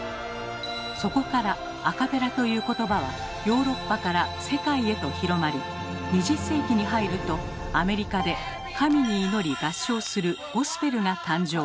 そこからアカペラという言葉はヨーロッパから世界へと広まり２０世紀に入るとアメリカで神に祈り合唱するゴスペルが誕生。